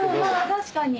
確かに。